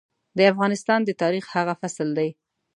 د افغانستان د تاريخ هغه فصل دی.